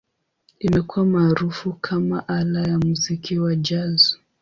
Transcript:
Imekuwa maarufu kama ala ya muziki wa Jazz.